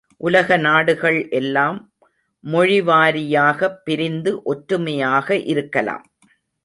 உலக நாடுகள் எல்லாம் மொழிவாரியாகப் பிரிந்து ஒற்றுமையாக இருக்கலாம்.